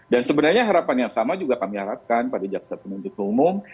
dan sebenarnya harapan yang sama juga kami harapkan pada jaksa penuntut umum